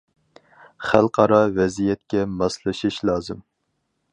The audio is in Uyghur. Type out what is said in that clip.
خەلقئارا ۋەزىيەتكە ماسلىشىش لازىم.